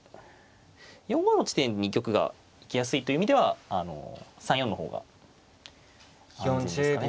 ４五の地点に玉が行きやすいという意味では３四の方が安全ですかね。